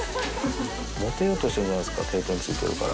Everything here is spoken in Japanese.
モテようとしてるんじゃないんですか、定点ついてるから。